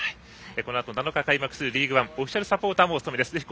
このあと７日開幕するリーグワンのオフィシャルサポーターもお務めです。